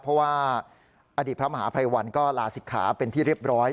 เพราะว่าอดีตพระมหาภัยวันก็ลาศิกขาเป็นที่เรียบร้อย